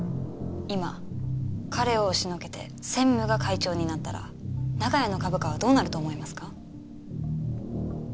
今彼を押しのけて専務が会長になったら長屋の株価はどうなると思いますか？